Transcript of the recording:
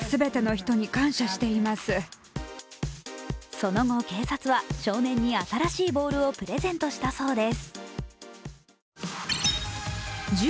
その後、警察は少年に新しいボールをプレゼントしたそうです。